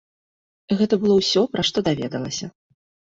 Гэта было ўсё, пра што даведалася.